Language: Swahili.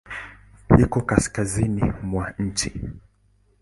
Iko kaskazini mwa nchi.